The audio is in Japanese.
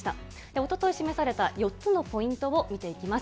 おととい示された４つのポイントを見ていきます。